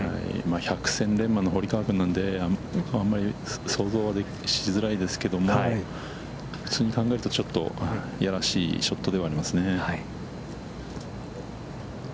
百戦錬磨の堀川君なので、あんまり想像はしづらいですけども、普通に考えるとちょっとやらしいショットではありますね。